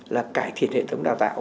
là cải thiện hệ thống đào tạo